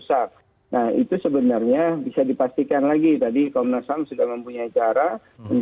dan bisa dibikin ataupun dikumpulkan maka itu akan menjadi hal yang sangat penting